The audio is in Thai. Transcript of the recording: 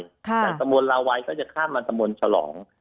จากตำบลลาวัยก็จะข้ามมาตำบลฉลอง